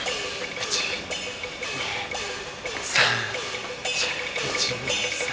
１２３４１２３４。